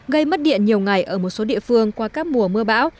gây mất điện nhiều ngày ở một số địa phương qua các mùa mưa bão